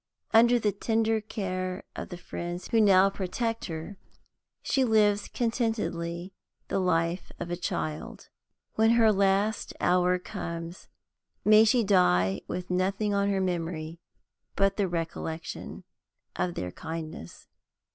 Under the tender care of the friends who now protect her, she lives contentedly the life of a child. When her last hour comes, may she die with nothing on her memory but the recollection of their kindness!